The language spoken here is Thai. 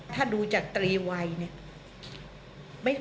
ถ้าดูจากตรีวัยเนี่ย